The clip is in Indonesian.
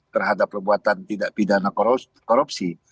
terhadap perbuatan tidak pidana korupsi